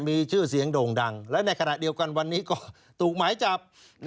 มีชื่อเสียงโด่งดังและในขณะเดียวกันวันนี้ก็ถูกหมายจับ